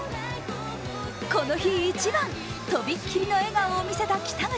この日一番、とびっきりの笑顔を見せた北口。